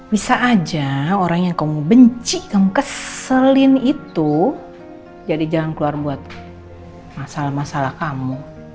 bisa aja orang yang kamu benci yang keselin itu jadi jalan keluar buat masalah masalah kamu